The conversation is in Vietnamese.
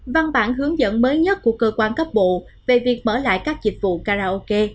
văn bản hướng dẫn mới nhất của cơ quan cấp bộ về việc mở lại các dịch vụ karaoke